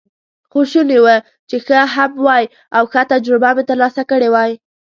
خو شوني وه چې ښه هم وای، او ښه تجربه مې ترلاسه کړې وای.